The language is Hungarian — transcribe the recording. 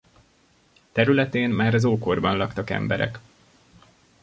Területén már az ókorban laktak emberek.